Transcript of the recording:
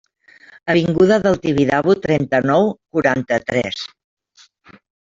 Avinguda del Tibidabo trenta-nou, quaranta-tres.